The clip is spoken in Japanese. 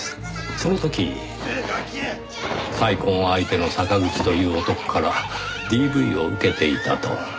その時再婚相手の坂口という男からＤＶを受けていたと。